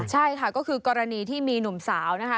ใช่ค่ะก็คือกรณีที่มีหนุ่มสาวนะคะ